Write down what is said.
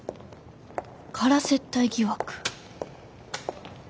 空接待疑惑。